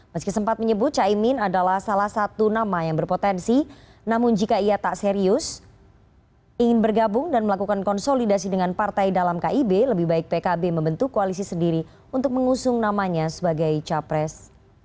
meski sempat menyebut caimin adalah salah satu nama yang berpotensi namun jika ia tak serius ingin bergabung dan melakukan konsolidasi dengan partai dalam kib lebih baik pkb membentuk koalisi sendiri untuk mengusung namanya sebagai capres